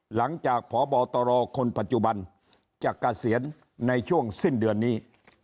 หลังจากพบตรคนปัจจุบันจะเกษียณในช่วงสิ้นเดือนนี้